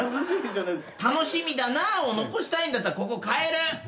「楽しみだな」を残したいんだったらここ変える。